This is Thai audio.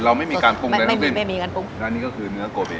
เราไม่มีการปรุงใดไม่มีไม่มีการปรุงอันนี้ก็คือเนื้อโกเบอ่า